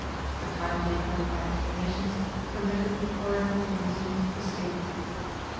The time taken up by explanations permitted the coronetted limousine to escape.